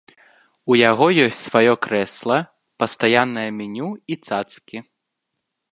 У яго ёсць сваё крэсла, пастаяннае меню і цацкі.